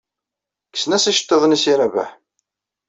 Kksen-as iceḍḍiḍen-nnes i Rabaḥ.